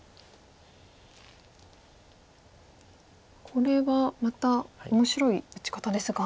これはまた面白い打ち方ですが。